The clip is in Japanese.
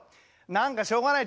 何かしょうがない。